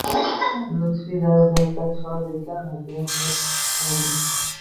— Lutfiy darajasidagi shoir ekan-da, — deya xulosa chiqardi.